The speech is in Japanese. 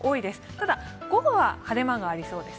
ただ、午後は晴れ間がありそうです